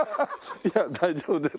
いや大丈夫です。